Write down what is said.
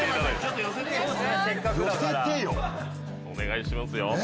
お願いしますよ。